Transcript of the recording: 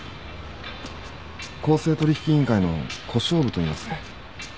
公正取引委員会の小勝負といいます。